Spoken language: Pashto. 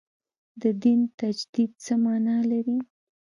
د دین تجدید څه معنا لري.